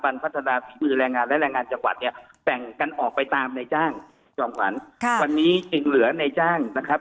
และแรงงานจังหวัดเนี่ยแต่งกันออกไปตามในจ้างจำขวัญค่ะวันนี้จึงเหลือในจ้างนะครับ